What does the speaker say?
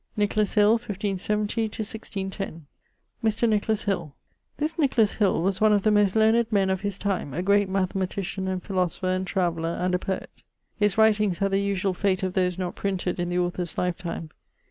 =Nicholas Hill= (1570? 1610). Mr. Nicholas Hill: This Nicholas Hill was one of the most learned men of his time: a great mathematician and philosopher and traveller, and a poet. His writings had the usuall fate of those not printed in the author's life time.